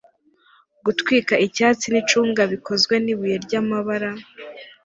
Gutwika icyatsi nicunga bikozwe nibuye ryamabara